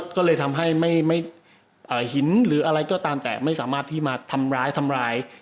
ก็เลยทำให้ไม่หินหรืออะไรก็ตามแต่ไม่สามารถที่มาทำร้ายทำร้าย